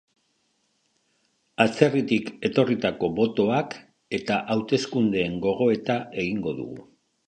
Atzerritik etorritako botoak eta hauteskundeen gogoeta egingo dugu.